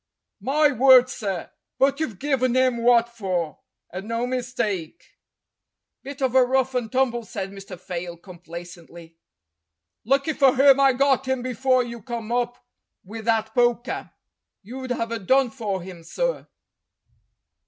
"My word, sir, but you've given him what for, and no mistake !" "Bit of a rough and tumble," said Mr. Fayle com placently. "Lucky for him I got him before you come up with that poker. You'd have done for him, sir."